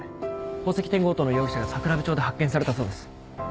宝石店強盗の容疑者が桜部町で発見されたそうです。